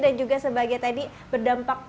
dan juga sebagai tadi berdampak